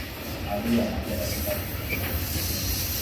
Ali anapenda chapati sana.